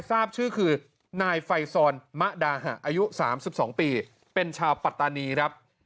ทราบชื่อคือนายไฟซอนมะดาหะอายุ๓๒ปีเป็นชาวปัตตานีครับ